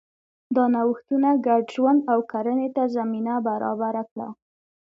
دا نوښتونه ګډ ژوند او کرنې ته زمینه برابره کړه.